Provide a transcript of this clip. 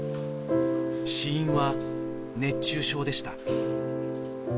死因は熱中症でした。